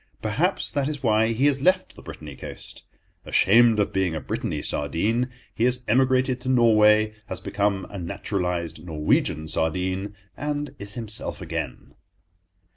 Perhaps that is why he has left the Brittainy coast. Ashamed of being a Brittainy sardine, he has emigrated to Norway, has become a naturalized Norwegian sardine, and is himself again.